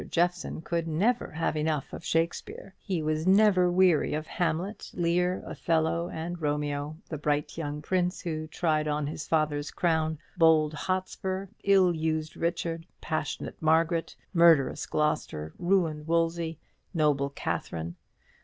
Jeffson could never have enough of Shakespeare. He was never weary of Hamlet, Lear, Othello, and Romeo, the bright young Prince who tried on his father's crown, bold Hotspur, ill used Richard, passionate Margaret, murderous Gloster, ruined Wolsey, noble Katharine.